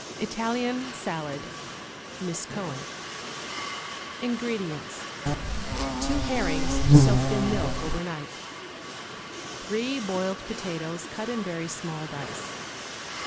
=Italian Salad.= (MISS COHEN.) INGREDIENTS. 2 herrings, soaked in milk over night. 3 boiled potatoes, cut in very small dice.